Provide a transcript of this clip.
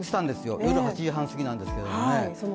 夜８時半すぎなんですけどね。